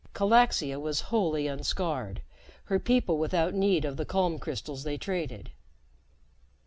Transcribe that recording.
Calaxia was wholly unscarred, her people without need of the calm crystals they traded.